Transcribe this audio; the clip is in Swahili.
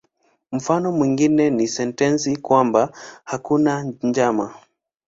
Mfano mwingine ni sentensi kwamba "hakuna njama".